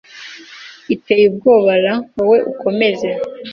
iteye ubwoba r wowe ukomeza